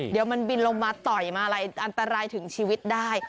เดี๋ยวมันบินลงมาต่อยมาอะไรอันตรายถึงชีวิตได้